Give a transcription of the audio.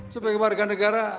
sebagai kemarikan negara